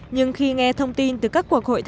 nhưng khi nghe thông tin từ các nhà máy nhiệt điện